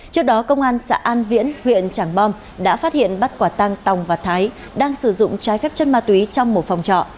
trước đó công an xã an viễn huyện trảng bom đã phát hiện bắt quả tăng tòng và thái đang sử dụng trái phép chân ma túy trong một phòng trọ